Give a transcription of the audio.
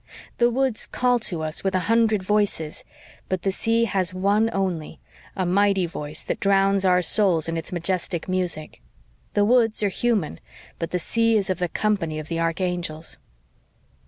The woods call to us with a hundred voices, but the sea has one only a mighty voice that drowns our souls in its majestic music. The woods are human, but the sea is of the company of the archangels.